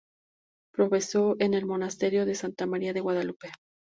Profesó en el monasterio de Santa María de Guadalupe.